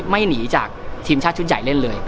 หนีจากทีมชาติชุดใหญ่เล่นเลย